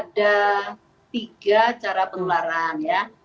ada tiga cara penularan ya